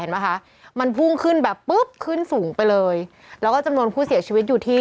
คะมันพุ่งขึ้นแบบปุ๊บขึ้นสูงไปเลยแล้วก็จำนวนผู้เสียชีวิตอยู่ที่